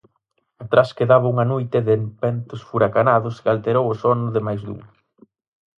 Atrás quedaba unha noite de ventos furacanados que alterou o sono de máis dun.